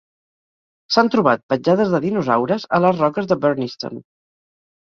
S"han trobat petjades de dinosaures a les roques de Burniston.